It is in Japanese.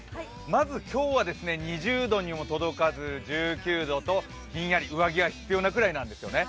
まず今日は、２０度にも届かず１９度とひんやり、上着が必要なくらいなんですよね。